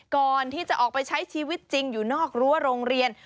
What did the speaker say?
ก่อนที่จะออกไปใช้ชีวิตจริงอยู่นอกรั้วโรงเรียน